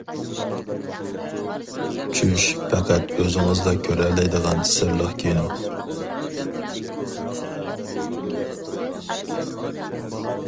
چۈش پەقەت ئۆزىڭىزلا كۆرەلەيدىغان سىرلىق كىنو.